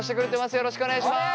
よろしくお願いします。